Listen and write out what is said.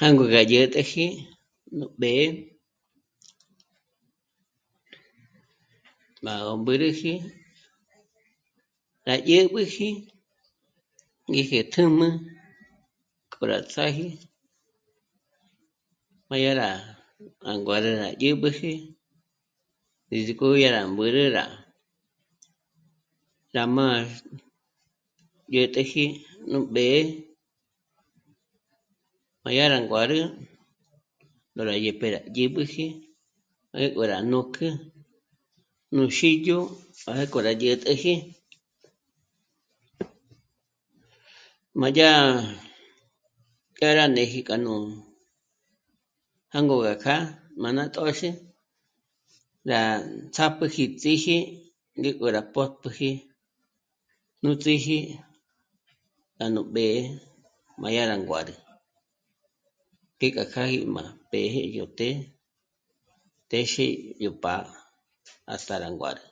Jângo gá dyä̀täji nú b'ë́'ë má gó mbü̂rüji gá dyä̌b'üji ngéje tjùm'ü k'o rá ts'áji má yá rá jânguârü rá dyä̌b'üji ndízik'o yá ró mbü̂rü rá mázh... dyä̀t'äji nú b'ë́'ë, má yá rá nguârü ndó rá dyä̌pjü dyáb'éji jângo rá nǜk'ü nú xídyo jânk'o rá dyä̀t'äji, má yá... nkâ rá néji k'a nú... jângo gá kjâ'a, k'a ná tö̌xü rá ts'ápjüji ts'íji ngék'o rá pótpjüji nú ts'íji já nú b'ë́'ë má yá rá nguârü, ngék'a kjâ'a í kja mbéje yó të́'ë téxi yó pá' à tá rá nguârü